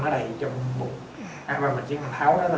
nó đầy trong bụng và mình chỉ cần tháo nó ra